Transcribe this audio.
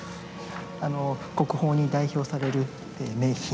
あの国宝に代表される名品。